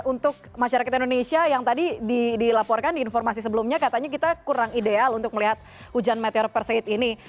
untuk masyarakat indonesia yang tadi dilaporkan di informasi sebelumnya katanya kita kurang ideal untuk melihat hujan meteor perseit ini